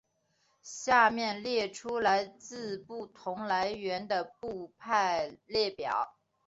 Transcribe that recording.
下面列出来自不同来源的部派列表。